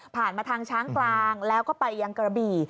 มาทางช้างกลางแล้วก็ไปยังกระบี่